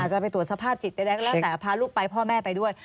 จะไปตรวจสภาพจิตใดก็แล้วแต่พาลูกไปพ่อแม่ไปด้วย